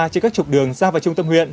trên các trục đường ra vào trung tâm huyện